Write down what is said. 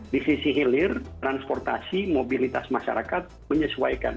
di sisi hilir transportasi mobilitas masyarakat menyesuaikan